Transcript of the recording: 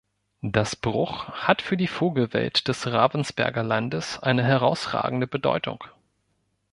Das Bruch hat für die Vogelwelt des Ravensberger Landes eine herausragende Bedeutung.